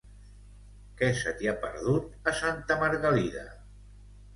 Què se t'hi ha perdut, a Santa Margalida?